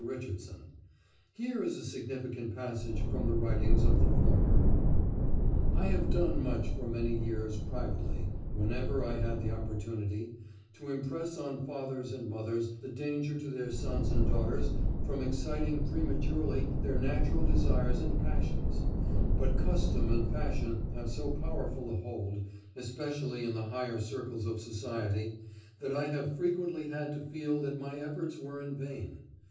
Richardson. Here is a significant passage from the writings of the former: "I have done much for many years privately, whenever I had the opportunity, to impress on fathers and mothers the danger to their sons and daughters from exciting prematurely their natural desires and passions; but custom and fashion have so powerful a hold, especially in the higher circles of society, that I have frequently had to feel that my efforts were in vain....